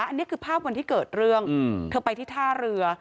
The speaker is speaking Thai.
อันนี้คือภาพวันที่เกิดเรื่องเธอไปที่ท่าเรือ